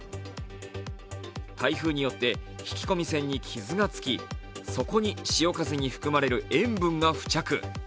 台風によって引き込み線に傷がつきそこに潮風に含まれる塩分が付着。